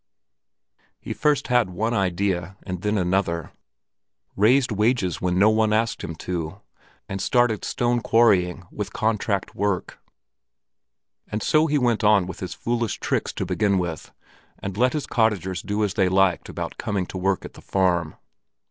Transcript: He first had one idea and then another, raised wages when no one had asked him to, and started stone quarrying with contract work. And so he went on with his foolish tricks to begin with, and let his cottagers do as they liked about coming to work at the farm.